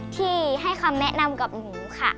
ที่ให้คำแนะนำกับหนูค่ะ